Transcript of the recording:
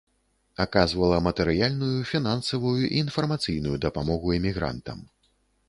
Аказвала матэрыяльную, фінансавую і інфармацыйную дапамогу эмігрантам.